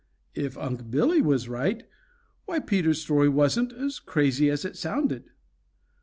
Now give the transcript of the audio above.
If Unc' Billy was right, why Peter's story wasn't as crazy as it sounded.